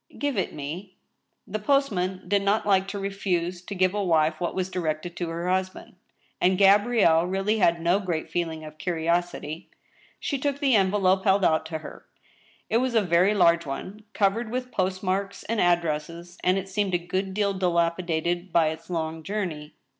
"Give it me." The postman did not like to refuse to give a wife what Was di rected to her husband. And Gabrielle really had no great feeling of curiosity. She took the envelope held out to her. It was a very large one, covered with post marks and addresses, and it seemed a good deal dilapidated by its long journey.